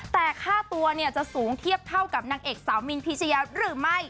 แต่ค่าตัวเนี่ยจะสูงเทียบเท่ากับนางเอกสาวมินพีชยาหรือไม่